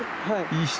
はい。